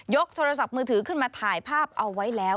กโทรศัพท์มือถือขึ้นมาถ่ายภาพเอาไว้แล้ว